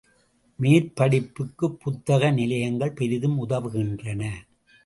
மேற்படிப்புக்குப் புத்தக நிலையங்கள் பெரிதும் உதவுகின்றன.